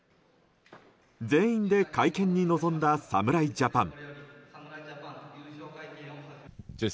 全員で会見に臨んだ侍ジャパン。